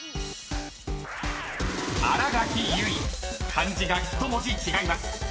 ［漢字が１文字違います］